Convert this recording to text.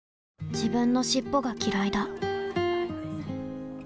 自分の尻尾がきらいだ